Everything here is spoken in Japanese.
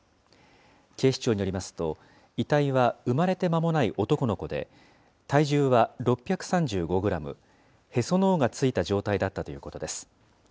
警視庁によりますと、遺体は産まれて間もない男の子で、体重は６３５グラム、へその緒が付いた状態だったということです。